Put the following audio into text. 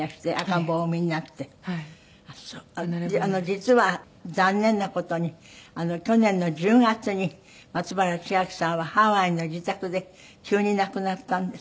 実は残念な事に去年の１０月に松原千明さんはハワイの自宅で急に亡くなったんですね。